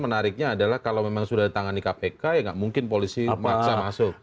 menariknya adalah kalau memang sudah ditangani kpk ya nggak mungkin polisi memaksa masuk